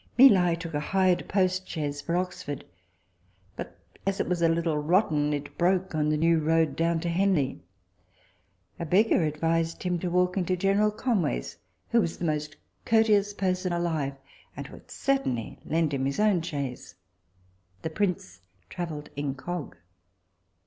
Mi Li took a hired post chaise for Oxford, but as it was a little rotten it broke on the new road down to Henley. A beggar advised him to walk into general Conway's, who was the most courteous person alive, and would certainly lend him his own chaise. The prince travelled incog.